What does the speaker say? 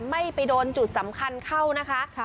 ไม่ไปโดนจุดสำคัญเข้านะคะ